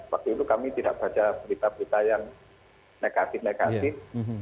waktu itu kami tidak baca berita berita yang negatif negatif